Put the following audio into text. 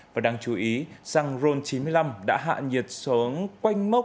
và đáng chú ý xăng ron chín mươi năm đã hạ nhiệt xuống quanh mốc